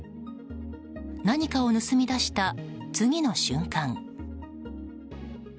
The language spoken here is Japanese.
何かを盗み出した次の瞬間。